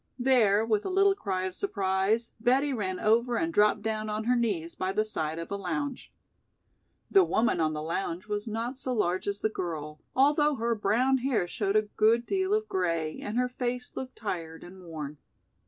There, with a little cry of surprise, Betty ran over and dropped down on her knees by the side of a lounge. The woman on the lounge was not so large as the girl, although her brown hair showed a good deal of gray and her face looked tired and worn.